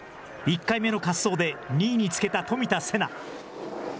１回目の滑走で２位につけた冨田せな。